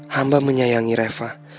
hamba menyayangi reva